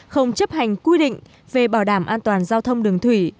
không chấp hành quy định về bảo đảm an toàn giao thông đường thủy